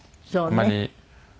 そうね。